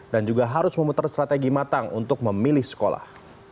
dan juga harus memutar strategi matang untuk memilih sekolah